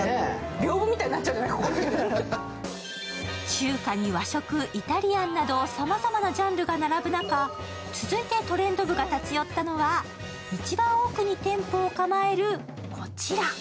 中華に和食、イタリアンなど、さまざまなジャンルが並ぶ中続いて「トレンド部」が立ち寄ったのは、一番奥に店舗を構えるこちら。